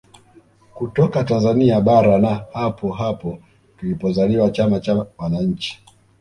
Kutoka Tanzania bara na hapo hapo kilipozaliwa chama cha wananchi